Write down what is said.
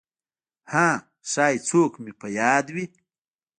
«ها… ښایي څوک مې په یاد وي!»